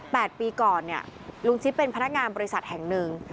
ปีก่อนเนี่ยลุงชิบเป็นพนักงานบริษัทแห่งหนึ่ง